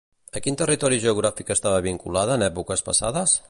A quin territori geogràfic estava vinculada en èpoques passades?